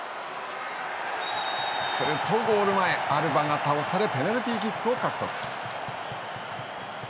すると、ゴール前アルバが倒されペナルティーキックを獲得。